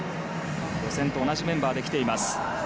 予選と同じメンバーできています。